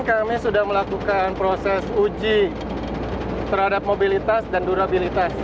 kami sudah melakukan proses uji terhadap mobilitas dan durabilitas